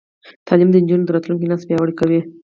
تعلیم د نجونو راتلونکی نسل پیاوړی کوي.